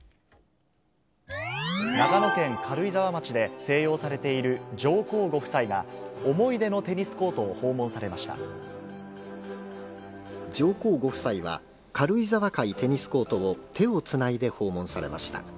長野県軽井沢町で静養されている上皇ご夫妻が、思い出のテニスコ上皇ご夫妻は、軽井沢会テニスコートを手をつないで訪問されました。